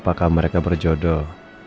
apakah mereka berjodoh